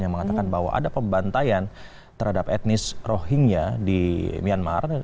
yang mengatakan bahwa ada pembantaian terhadap etnis rohingya di myanmar